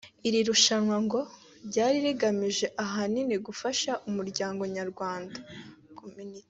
iri rushanwa ngo ryari rigamije ahanini gufasha umuryango Nyarwanda (community)